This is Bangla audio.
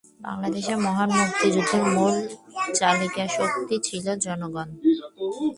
বাংলাদেশের মহান মুক্তিযুদ্ধের মূল চালিকাশক্তি ছিল জনগণ।